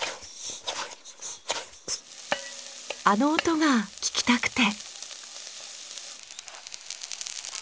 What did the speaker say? あの音が聞きたくて。